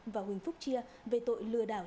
và huỳnh phúc chia về tội lừa đảo